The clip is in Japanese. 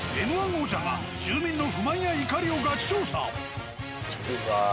王者が住民の不満や怒りをガチ調査。